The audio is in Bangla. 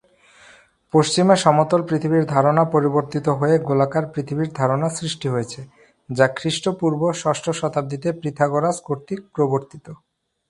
পশ্চিমে সমতল পৃথিবীর ধারণা পরিবর্তিত হয়ে গোলাকার পৃথিবী ধারণা সৃষ্টি হয়েছে; যা খ্রিস্টপূর্ব ষষ্ঠ শতাব্দীতে পিথাগোরাস কর্তৃক প্রবর্তিত।